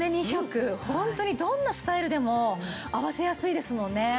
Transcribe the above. ２色ホントにどんなスタイルでも合わせやすいですもんね。